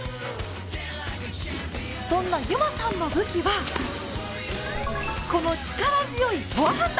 そんな侑舞さんの武器は、この力強いフォアハンド。